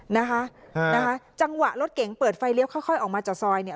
นะคะนะคะจังหวะรถเก๋งเปิดไฟเลี้ยค่อยออกมาจากซอยเนี่ย